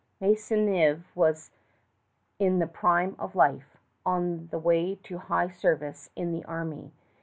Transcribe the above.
Maisonneuve was in the prime of life, on the way to high service in the army.